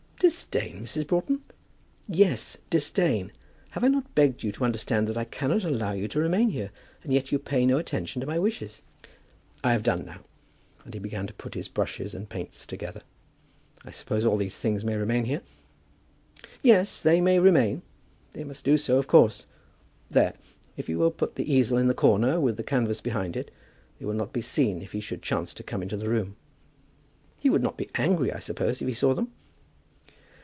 "Disdain, Mrs. Broughton!" "Yes, disdain. Have I not begged you to understand that I cannot allow you to remain here, and yet you pay no attention to my wishes." "I have done now;" and he began to put his brushes and paints together. "I suppose all these things may remain here?" "Yes; they may remain. They must do so, of course. There; if you will put the easel in the corner, with the canvas behind it, they will not be seen if he should chance to come into the room." "He would not be angry, I suppose, if he saw them?"